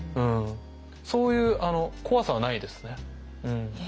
そういう怖さはないですね。